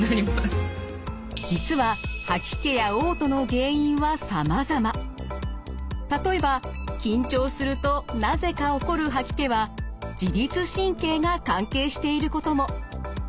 １日目は山形牛とか実は例えば緊張するとなぜか起こる吐き気は自律神経が関係していることも。